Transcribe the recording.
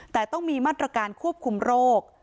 แต่ต้องมีมาตรการควบคุมโรค